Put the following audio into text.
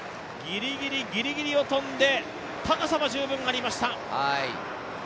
ギリギリを跳んで高さは十分ありました。